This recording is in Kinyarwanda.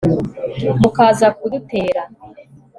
mukaza kudutera